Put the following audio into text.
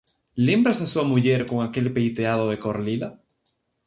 Lembras a súa muller con aquel peiteado de cor lila?